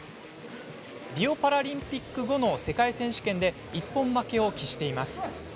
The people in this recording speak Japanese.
リオパラリンピック後の世界選手権で一本負けを喫しています。